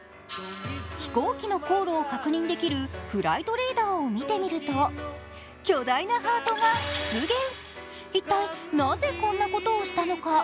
飛行機の高度を確認できるフライトレーダーを見てみると巨大なハートが出現一体、なぜこんなことをしたのか。